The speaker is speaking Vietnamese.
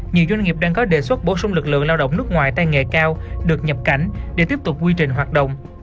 nhiều doanh nghiệp đang có đề xuất bổ sung lực lượng lao động nước ngoài tay nghề cao được nhập cảnh để tiếp tục quy trình hoạt động